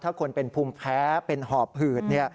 ถ้าคนเป็นภูมิแพ้เป็นหอบหืด